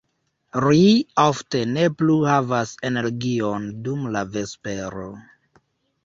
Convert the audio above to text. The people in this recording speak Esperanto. Ri ofte ne plu havas energion dum la vespero.